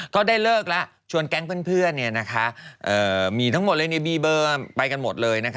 ก็ได้เลิกแล้วชวนแก๊งเพื่อนมีทั้งหมดเลยมีเบอร์ไปกันหมดเลย